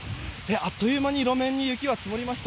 あっという間に路面に雪が積もりました。